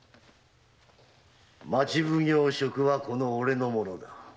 町奉行職はこの俺のものだ。